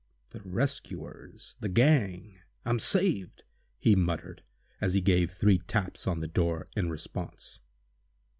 "The rescuers—the gang—I'm saved!" he muttered, as he gave three taps on the door, in response.